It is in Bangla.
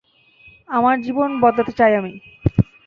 আমার জীবন বদলাতে চাই আমি।